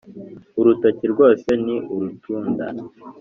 urutoki rwose ni urutunda